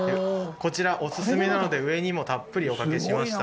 こちらおすすめなので上にもたっぷりおかけしました。